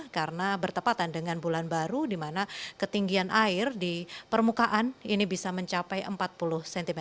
karena bertepatan dengan bulan baru di mana ketinggian air di permukaan ini bisa mencapai empat puluh cm